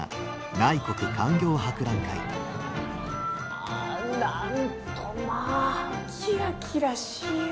はあなんとまあキラキラしゆう！